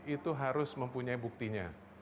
itu harus mempunyai buktinya